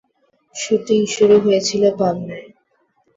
Shooting শুরু হয়েছিল পাবনায়।